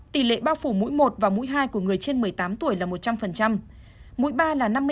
tỷ lệ bao phủ mũi một và mũi hai của người trên một mươi tám tuổi là một trăm linh mũi ba là năm mươi